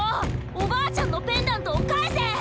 おばあちゃんのペンダントをかえせ！